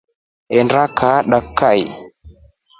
Ondee kaa dakikai.